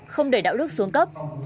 không để đạo lực xuống cấp